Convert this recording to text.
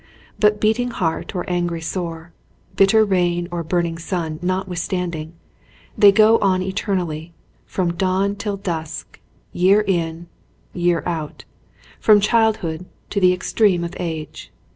But beating heart or angry sore, bitter rain or burn ing sun notwithstanding, they go on eternally, from dawn till dusk, year in year out, from child hood to the extreme of age.